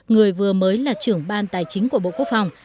người vừa mới là trưởng ban tài chính của bộ quốc phòng